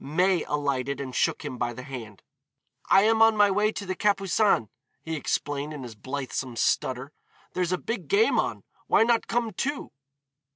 May alighted and shook him by the hand. "I am on my way to the Capucines," he explained, in his blithesome stutter. "There's a big game on; why not come, too?"